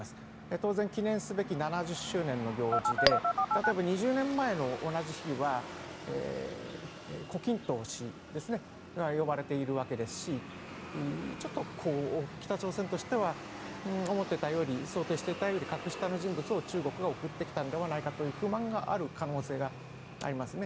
当然、記念すべき７０周年の行事で２０年前の同じ日は胡錦涛氏が呼ばれているわけですしちょっと北朝鮮としては思っていたより想定していたより格下の人物を中国が送ってきたのではという不満がある可能性がありますね。